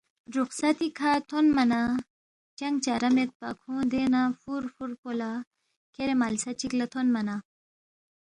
رُخصتی کھہ تھونما نہ چنگ چارہ میدپا کھونگ دینگ نہ فُور فُور پو لہ کھیرے ملسہ چِک لہ تھونما نہ